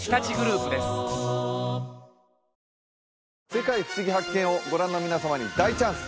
「世界ふしぎ発見！」をご覧の皆様に大チャンス！